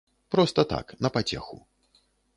Проста так, на пацеху.